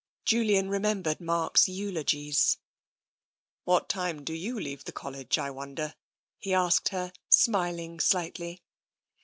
Julian remembered Mark's eulogies. " What time do you leave the College, I wonder ?" he asked her, smiling slightly.